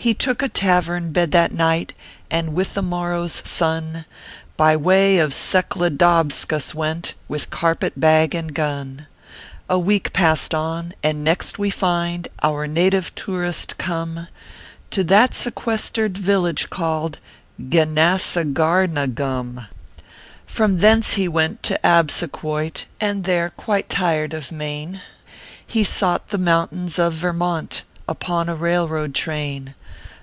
He took a tavern bed that night, And with the morrow s sun, By way of Sekledobskus went, With carpet bag and gun. ORPHEUS C. KERR PAPERS. 27 A week passed on ; and next we find Our native tourist como To that sequestered village called Genasagarnagum. From thence he went to Absequoit, And there quite tired of Maine He sought the mountains of Vermont, Upon a railroad train.